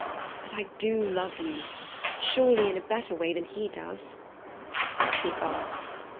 But I do love you surely in a better way than he does." He thought.